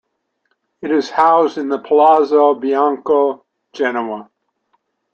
It is housed in the Palazzo Bianco, Genoa.